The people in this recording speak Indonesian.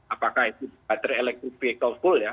apakah itu baterai elektrik vehicle full ya